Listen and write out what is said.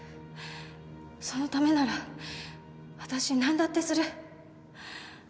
そのためなら私なんだってする。